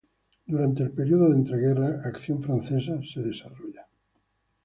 Durante el período de entreguerras, "Acción francesa" se desarrolla.